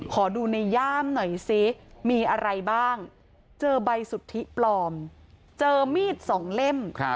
ขอดูในย่ามหน่อยซิมีอะไรบ้างเจอใบสุทธิปลอมเจอมีดสองเล่ม